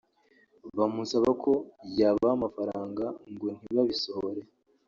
bamusaba ko yabaha amafaranga ngo ntibabisohore